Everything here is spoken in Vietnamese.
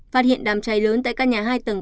phát hiện đám cháy lớn tại căn nhà hai tầng